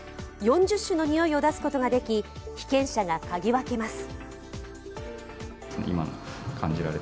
４０種のにおいを出すことができ被験者が嗅ぎ分けます。